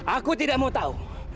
aku tidak mau tahu